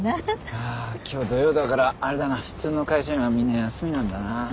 ああ今日土曜だからあれだな普通の会社員はみんな休みなんだな。